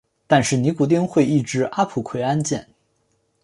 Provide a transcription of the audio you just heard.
但是尼古丁会抑制阿朴奎胺碱。